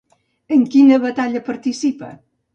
En quina batalla participa?